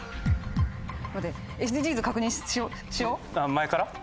前から。